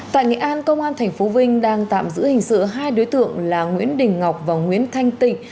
tại nghệ an công an tp vinh đang tạm giữ hình sự hai đối tượng là nguyễn đình ngọc và nguyễn thanh tịnh